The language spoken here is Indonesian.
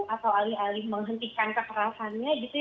atau alih alih menghentikan kekerasannya gitu ya